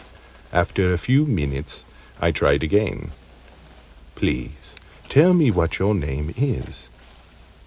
After a few minutes I tried again. "Please tell me what your name is."